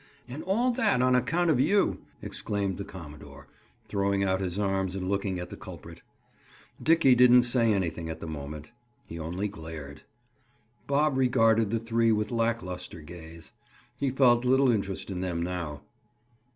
"And all that, on account of you!" exclaimed the commodore, throwing out his arms and looking at the culprit. Dickie didn't say anything at the moment. He only glared. Bob regarded the three with lack luster gaze. He felt little interest in them now.